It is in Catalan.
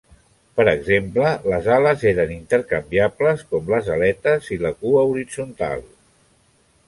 Per exemple, les ales eren intercanviables com les aletes i la cua horitzontal.